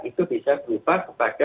itu bisa berubah kepada